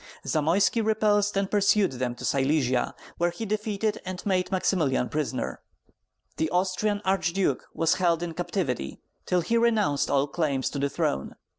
Zamoyski repulsed and pursued them to Silesia, where he defeated and made Maximilian prisoner. The Austrian Archduke was held in captivity till he renounced all claim to the throne.